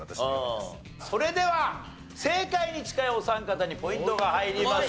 それでは正解に近いお三方にポイントが入ります。